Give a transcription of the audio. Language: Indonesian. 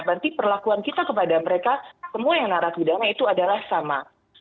berarti perlakuan kita kepada mereka semua yang narapidana itu adalah sama